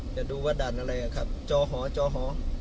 เดี๋ยวดูว่าด่านอะไรอ่ะครับจอหอจอหอ